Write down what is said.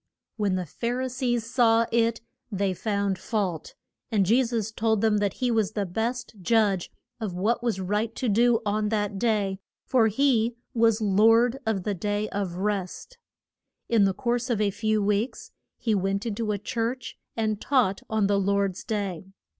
When the Phar i sees saw it they found fault, and Je sus told them that he was the best judge of what was right to do on that day; for he was Lord of the Day of Rest. [Illustration: THE WITH ER ED HAND.] In the course of a few weeks he went in to a church and taught on the Lord's day.